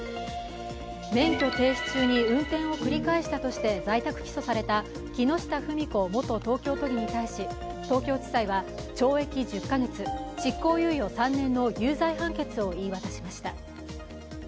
免許停止中に運転を繰り返したとして在宅起訴された木下富美子元東京都議に対し、東京地裁は懲役１０カ月、執行猶予３年の有罪判決を言い渡しました。